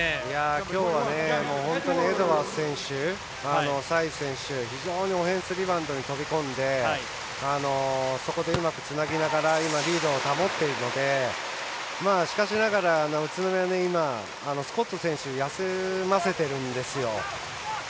きょうは本当にエドワーズ選手サイズ選手、非常にオフェンスリバウンドにとけこんでそこでうまくつなぎながらリードを保っているのでしかしながら、宇都宮スコット選手を休ませてるんです。